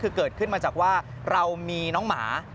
คือเกิดขึ้นมาจากว่าเรามีน้องหมา